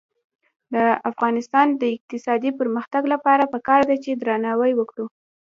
د افغانستان د اقتصادي پرمختګ لپاره پکار ده چې درناوی وکړو.